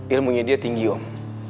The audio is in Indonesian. ilmunya dia tinggi om